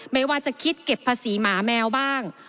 ไม่ว่าจะคิดเก็บภาษีหมาแมวบ้าง